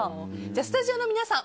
スタジオの皆さん